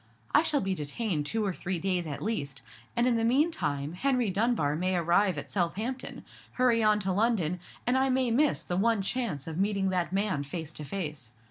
I shall be detained two or three days at least: and in the mean time Henry Dunbar may arrive at Southampton, hurry on to London, and I may miss the one chance of meeting that man face to face.